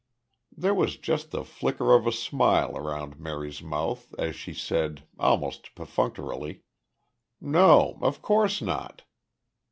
There was just the flicker of a smile around Mary's mouth as she said, almost perfunctorily, "No, of course not!"